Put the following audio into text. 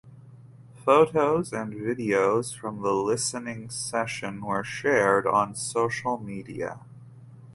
Photos and videos from the listening session were shared on social media.